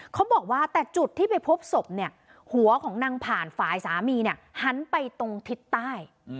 เขาบอกว่าแต่จุดที่ไปพบศพเนี่ยหัวของนางผ่านฝ่ายสามีเนี่ยหันไปตรงทิศใต้